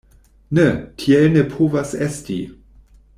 Ne, tiel ne povas esti!